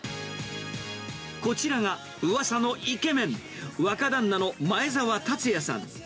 こちらがうわさのイケメン、若旦那の前澤龍也さん。